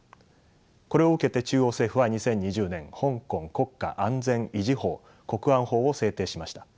これを受けて中央政府は２０２０年香港国家安全維持法国安法を制定しました。